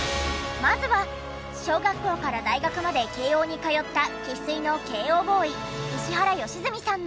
まずは小学校から大学まで慶應に通った生粋の慶應ボーイ石原良純さんの。